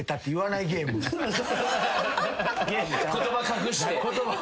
言葉隠して。